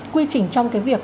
quy trình trong cái việc